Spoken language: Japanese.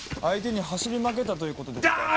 相手に走り負けたということですか？